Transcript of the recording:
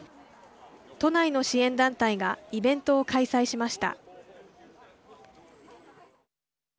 都内の支援団体がイベントを開催しました。